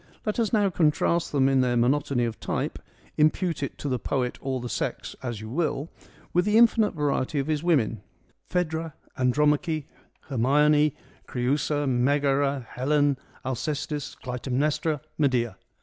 Let us now contrast them in their monotony of type — impute it to the poet or the sex as you will — with the infinite variety of his women : Phaedra, Andromache, Her mione, Creiisa, Megara, Helen, Alcestis, Clytemnestra, Medea.